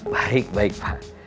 baik baik pak